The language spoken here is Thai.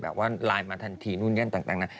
แบบว่าไลน์มาทันทีนู่นเงี้ยนต่างนั้น